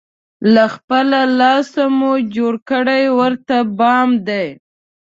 له خپل لاسه، مور جوړ کړی ورته بام دی